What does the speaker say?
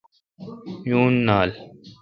یون نالان۔